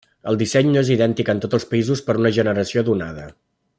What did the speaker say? El disseny no és idèntic en tots els països per a una generació donada.